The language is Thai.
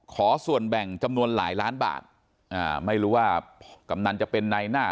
ขอส่วนแบ่งจำนวนหลายล้านบาทอ่าไม่รู้ว่ากำนันจะเป็นในหน้า